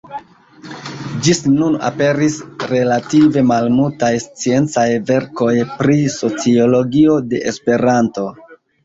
Ĝis nun aperis relative malmultaj sciencaj verkoj pri sociologio de Esperanto.